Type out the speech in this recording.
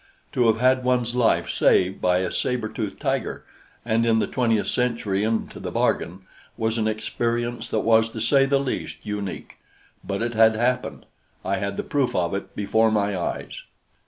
To have had one's life saved by a saber tooth tiger, and in the twentieth century into the bargain, was an experience that was to say the least unique; but it had happened I had the proof of it before my eyes.